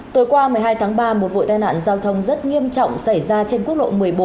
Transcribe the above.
tối qua một mươi hai tháng ba một vụ tai nạn giao thông rất nghiêm trọng xảy ra trên quốc lộ một mươi bốn